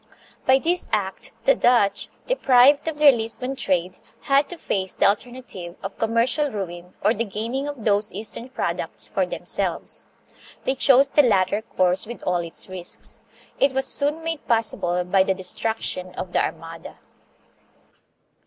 By this act the Dutch, deprived of their Lisbon trade, had to face the alternative of commercial ruin or the gaining of those Eastern products for themselves. They chose the latter course with all its risks. It was soon made possible by the destruction of the Armada.